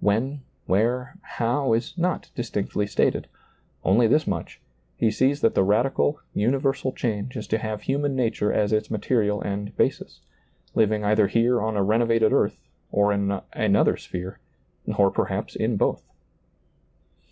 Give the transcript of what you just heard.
When, where, how, is not distinctly stated ; only this much, — he sees that the radical, uni versal change is to have human nature as its material and basis ; living either here on a ren ovated earth, or in another sphere, or perhi^ in both.